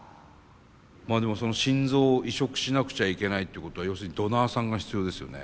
でも心臓を移植しなくちゃいけないということは要するにドナーさんが必要ですよね？